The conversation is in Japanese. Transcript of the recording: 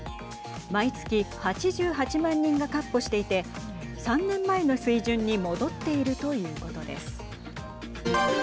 毎月８８万人がかっ歩していて３年前の水準に戻っているということです。